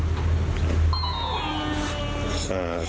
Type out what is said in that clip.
อืม